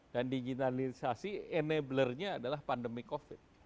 dan digitalisasi enabler nya adalah pandemi covid